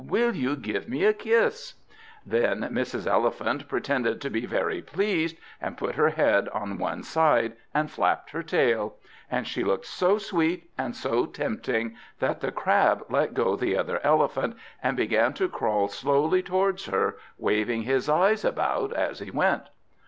Will you give me a kiss?" Then Mrs. Elephant pretended to be very pleased, and put her head on one side, and flapped her tail; and she looked so sweet and so tempting, that the Crab let go the other elephant, and began to crawl slowly towards her, waving his eyes about as he went.